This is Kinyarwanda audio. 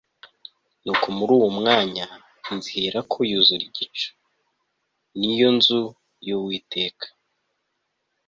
nuko muri uwo mwanya inzu iherako yuzura igicu, ni yo nzu y'uwiteka